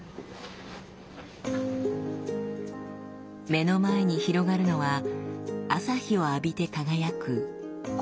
目の前に広がるのは朝日を浴びて輝くコオラウ山脈。